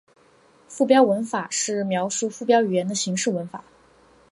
附标文法是描述附标语言的形式文法。